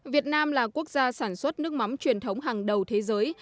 việt nam là quốc gia sản xuất nước mắm truyền thống hàng đầu thế giới